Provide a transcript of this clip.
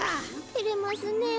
てれますねえ。